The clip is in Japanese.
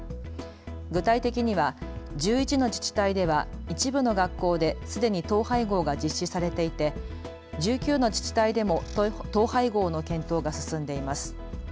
具体的には１１の自治体では一部の学校ですでに統廃合が実施されていて１９の自治体でも統廃合の検討が進んでいます。